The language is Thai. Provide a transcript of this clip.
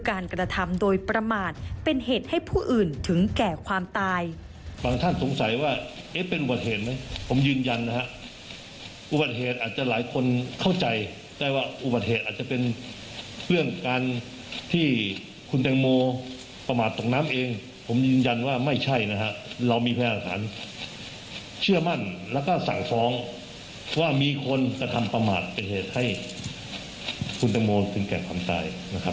การกระทำโดยประมาทเป็นเหตุให้ผู้อื่นถึงแก่ความตาย